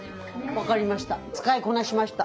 分かりました。